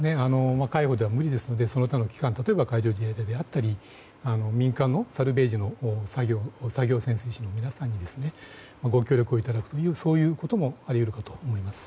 海保では無理ですのでその他の機関海上自衛隊であったり民間のサルベージの潜水士の皆さんにご協力をいただくというそういうこともあり得ると思います。